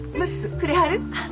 ６つくれはる？